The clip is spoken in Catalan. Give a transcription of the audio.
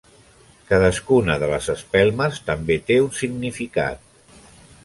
Cadascuna de les espelmes també té un significat.